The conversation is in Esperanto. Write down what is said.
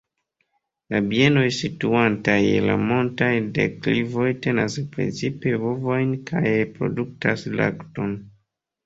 La bienoj situantaj je la montaj deklivoj tenas precipe bovojn kaj produktas lakton.